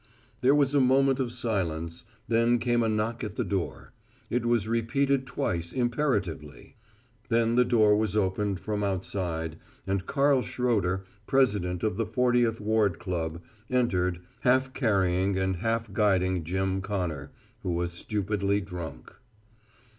There was a moment of silence, then came a knock at the door. It was repeated twice, imperatively. Then the door was opened from outside and Carl Schroeder, president of the Fortieth Ward Club, entered, half carrying and half guiding Jim Connor, who was stupidly drunk.